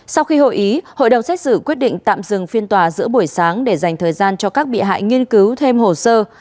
sau khi hội ý hội đồng xét xử quyết định tạm dừng phiên tòa giữa buổi sáng để dành thời gian cho các bị hại nghiên cứu thêm hồ sơ